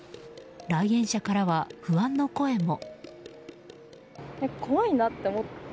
来園者からは不安の声も。